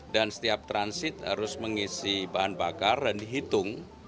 dan setiap transit harus mengisi bahan bakar dan dihitung